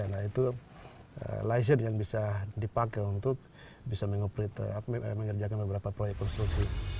nah itu laizer yang bisa dipakai untuk bisa mengerjakan beberapa proyek konstruksi